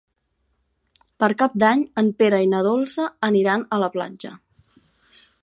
Per Cap d'Any en Pere i na Dolça aniran a la platja.